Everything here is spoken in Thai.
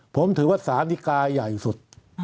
ผมถือว่าสาธิกาใหญ่สุด